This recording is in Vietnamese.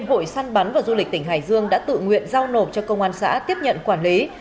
hội săn bắn và du lịch tỉnh hải dương đã tự nguyện giao nộp cho công an xã tiếp nhận quản lý